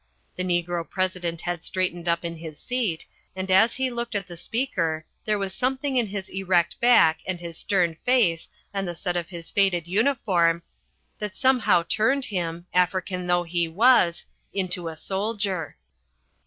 The Negro President had straightened up in his seat, and as he looked at the speaker there was something in his erect back and his stern face and the set of his faded uniform that somehow turned him, African though he was, into a soldier.